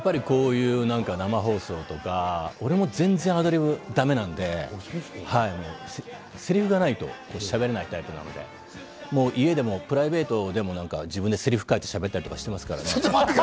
やっぱりこういう生放送とか、俺も全然アドリブだめなんで、セリフがないと、しゃべれないタイプなんで、家でもプライベートでもセリフ書いたりして、しゃべったりとかしてますからね。